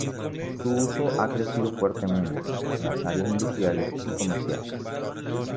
Su uso ha crecido fuertemente en las áreas industriales y comerciales.